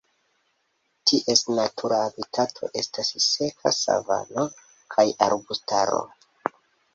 Ties natura habitato estas seka savano kaj arbustaro.